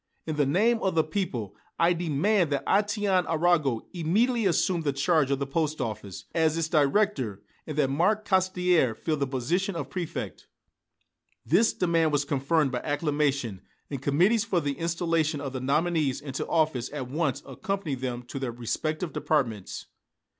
In the name of the people, I demand that Étienne Arago immediately assume the charge of the post office, as its director, and that Marc Caussidière fill the position of Préfect." This demand was confirmed by acclamation, and committees for the installation of the nominees into office at once accompanied them to their respective departments.